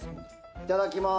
いただきます。